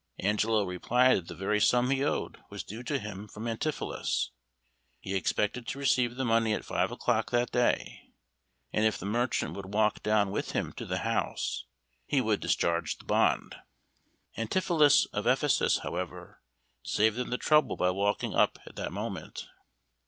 Angelo replied that the very sum he owed was due to him from Antipholus; he expected to receive the money at five o'clock that day, and if the merchant would walk down with him to the house, he would discharge the bond. Antipholus of Ephesus, however, saved them the trouble by walking up at that moment.